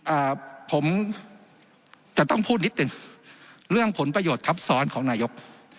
อ่าผมจะต้องพูดนิดหนึ่งเรื่องผลประโยชน์ทับซ้อนของนายก